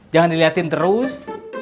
jangan diliatin terus